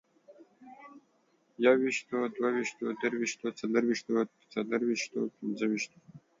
يوويشتو، دوه ويشتو، درويشتو، څلرويشتو، څلورويشتو، پنځه ويشتو